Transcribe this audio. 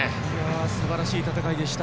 すばらしい戦いでした。